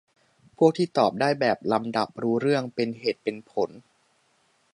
พวกที่ตอบได้แบบลำดับรู้เรื่อง เป็นเหตุเป็นผล